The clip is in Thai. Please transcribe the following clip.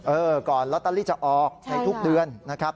ก่อนลอตเตอรี่จะออกในทุกเดือนนะครับ